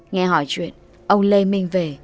nghe hỏi chuyện ông lê minh về